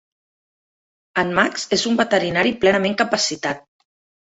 En Max és un veterinari plenament capacitat.